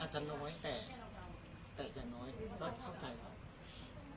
อาจจะน้อยแต่หน่อยรับเข้าใจเหรอ